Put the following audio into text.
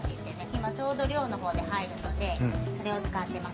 今ちょうど漁の方で入るのでそれを使ってます。